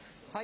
はい。